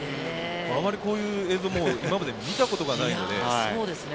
あまりこういう映像は見たことないので。